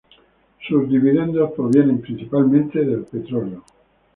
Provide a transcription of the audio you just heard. Sus dividendos provienen principalmente del petróleo.